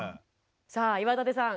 さあ岩立さん